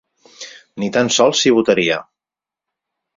Ni tan sols si votaria.